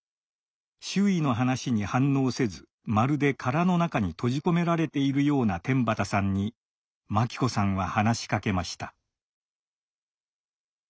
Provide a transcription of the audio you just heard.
周囲の話に反応せずまるで殻の中に閉じ込められているような天畠さんに万貴子さんは話しかけました。